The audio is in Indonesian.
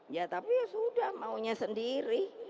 ya tapi ya sudah maunya sendiri